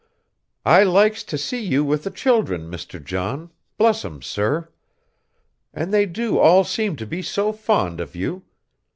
"I likes to see you with the children, Mr. John, bless 'em, sir. And they do all seem to be so fond of you.